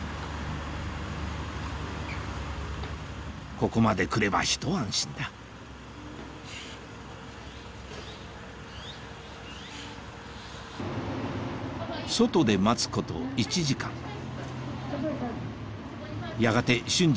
ここまで来ればひと安心だ外で待つこと１時間やがて隼司